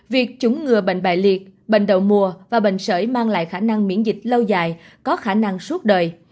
việc chủng ngừa bệnh liệt bệnh đậu mùa và bệnh sởi mang lại khả năng miễn dịch lâu dài có khả năng suốt đời